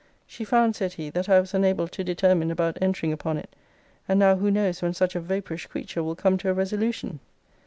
She found, said he, that I was unable to determine about entering upon it; and now who knows when such a vapourish creature will come to a resolution?